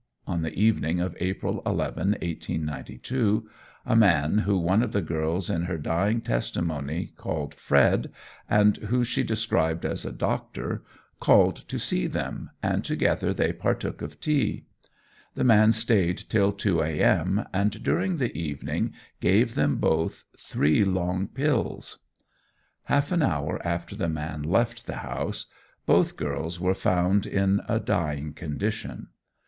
On the evening of April 11, 1892, a man, who one of the girls in her dying testimony called "Fred," and who she described as a doctor, called to see them, and together they partook of tea. The man stayed till 2 a.m., and during the evening gave them both "three long pills." Half an hour after the man left the house, both girls were found in a dying condition.